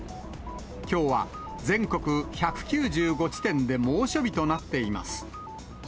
きょうは全国１９５地点で猛暑日となっています。